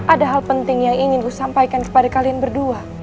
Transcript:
ada hal penting yang ingin kusampaikan kepada kalian berdua